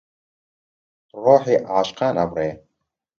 ڕۆحی عاشقان ئەبڕێ